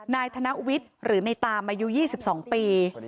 นายธนวิทย์หรือในตามอายุ๒๒ปี